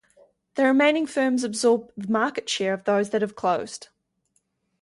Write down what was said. The remaining firms absorb the market share of those that have closed.